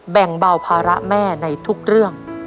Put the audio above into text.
แบ่งเบาภาระแม่ในทุกเรื่อง